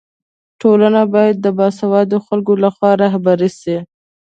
ټولنه باید د باسواده خلکو لخوا رهبري سي.